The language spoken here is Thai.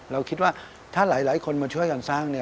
เราคิดว่าถ้าหลายคนมาช่วยกันสร้าง